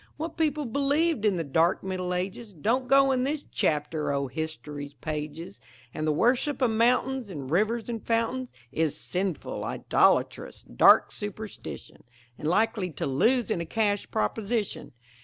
What people believed in the dark Middle Ages Don't go in this chapter o' history's pages, And the worship of mountains And rivers and fountains Is sinful, idolatrous, dark superstition And likely to lose in a cash proposition.